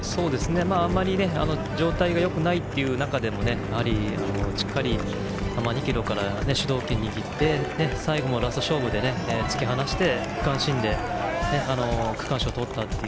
あまり状態がよくない中でもしっかり２ｋｍから主導権を握って最後のラスト勝負で突き放して区間新で区間賞をとったという。